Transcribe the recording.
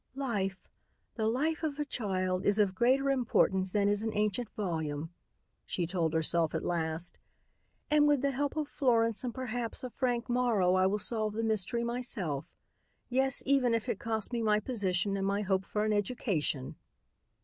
"Life, the life of a child, is of greater importance than is an ancient volume," she told herself at last. "And with the help of Florence and perhaps of Frank Morrow I will solve the mystery myself. Yes, even if it costs me my position and my hope for an education!"